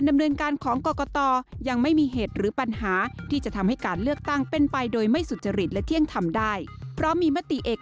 ติดตามจากรายงานครับ